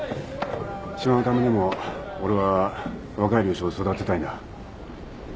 島のためにも俺は若い漁師を育てたいんだ。